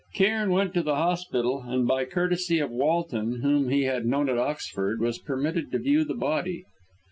Cairn went to the hospital, and by courtesy of Walton, whom he had known at Oxford, was permitted to view the body.